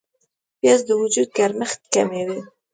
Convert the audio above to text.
پیاز د وجود ګرمښت کموي